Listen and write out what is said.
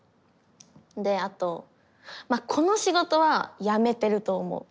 であとまあこの仕事は辞めてると思う。